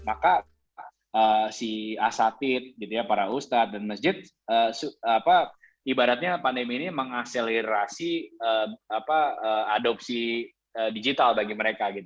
maka si asatid para ustadz dan masjid ibaratnya pandemi ini mengakselerasi adopsi digital bagi mereka